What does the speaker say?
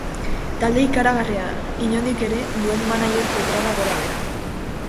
Talde ikaragarria da, inondik ere, duen manager petrala gorabehera.